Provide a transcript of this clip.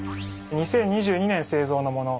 ２０２２年製造のもの。